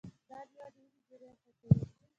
دا مېوه د وینې جریان ښه کوي.